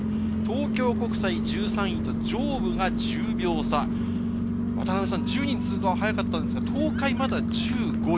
東京国際、１３位、上武が１０秒差、１０人通過は速かったんですが、東海、まだ１５位。